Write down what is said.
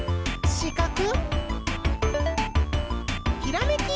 しかく！